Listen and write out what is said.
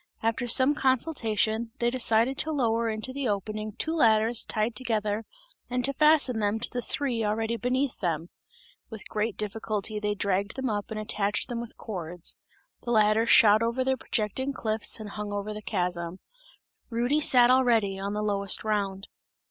After some consultation, they decided to lower into the opening two ladders tied together and to fasten them to the three already beneath them. With great difficulty they dragged them up and attached them with cords; the ladders shot over the projecting cliffs and hung over the chasm; Rudy sat already on the lowest round.